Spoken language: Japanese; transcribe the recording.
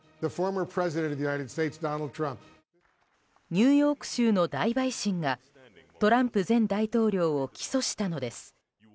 ニューヨーク州の大陪審がトランプ前大統領を起訴したのです。